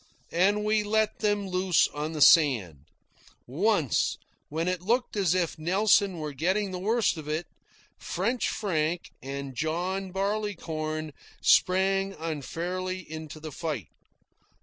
And we let them loose on the sand. Once, when it looked as if Nelson were getting the worst of it, French Frank and John Barleycorn sprang unfairly into the fight.